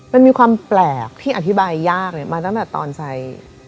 มันมีความแปลกที่อธิบายยากมาตั้งแต่ตอนใส่